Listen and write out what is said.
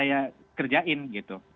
saya kerjain gitu